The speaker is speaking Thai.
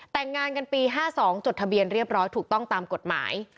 แต่งงานกันปี๕๒จดทะเบียนเรียบร้อยถูกต้องตามกฎหมาย